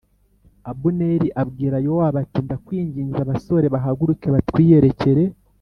Abuneri abwira Yowabu ati “Ndakwinginze, abasore bahaguruke batwiyerekere”